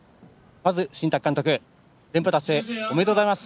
まず、新宅監督、連覇達成おめでとうございます。